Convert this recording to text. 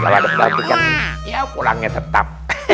kalau ada pelatih kan ya pulangnya tetap